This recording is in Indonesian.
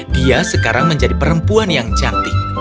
dia sekarang menjadi perempuan yang cantik